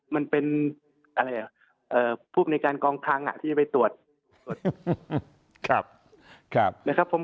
มันเป็นพวกในการกองคังอ่ะที่จะไปตรวจ